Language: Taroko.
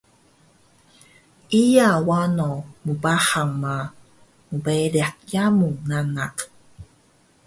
Iya wano mbahang ma mberiq yamu nanak